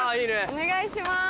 お願いします！